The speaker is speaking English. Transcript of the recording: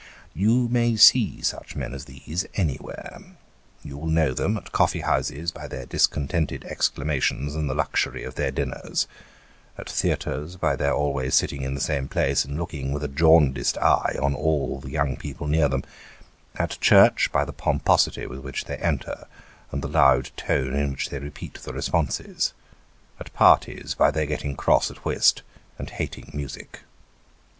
You may see such men as these, anywhere ; you will know them at coffee houses by their dis contented exclamations and the luxury of their dinners ; at theatres, by their always sitting in the same place and looking with a jaundiced eye on all the young people near them ; at church, by the pomposity with which they enter, and the loud tone in which they repeat the responses ; at parties, by their getting cross at whist and hating music.